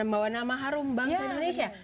membawa nama harum bangsa indonesia